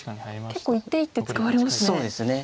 結構一手一手使われますね。